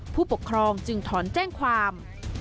ผู้ปกครองจึงถอนแจ้งความ